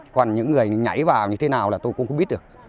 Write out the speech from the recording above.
còn những người nhảy vào như thế nào là tôi cũng không biết được